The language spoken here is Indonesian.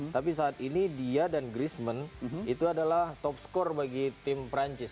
tapi saat ini dia dan griezmann itu adalah top score bagi tim perancis